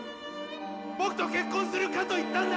僕と結婚するかと言ったんだ！